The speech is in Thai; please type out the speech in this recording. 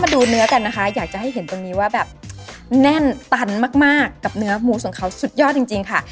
ดูเนื้อกันนะคะอยากจะให้เห็นตรงนี้ว่าแบบแน่นตันมากกับเนื้อหมูของเขาสุดยอดจริงค่ะ